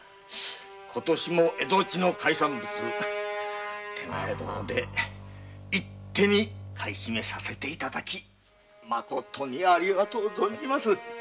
今年も蝦夷地の海産物手前どもで一手買い占めさせて頂きまことにありがとう存じます。